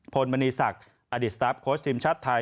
พลมณีศักดิ์อดิษรัพย์โคชทีมชัดไทย